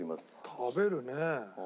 「食べるね」